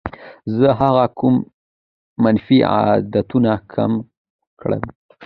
زه هڅه کوم منفي عادتونه کم کړم.